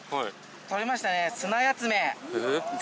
捕れましたね。